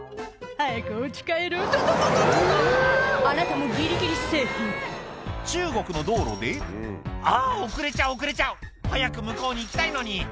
あなたもギリギリセーフ中国の道路で「あぁ遅れちゃう遅れちゃう早く向こうに行きたいのに」